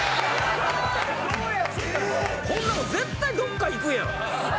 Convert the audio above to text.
こんなの絶対どっか行くやん！